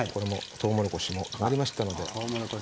とうもろこしも揚がりましたね。